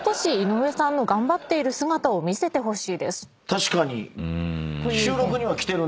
確かに。